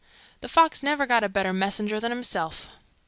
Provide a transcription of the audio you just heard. The fox never got a better messenger than himself.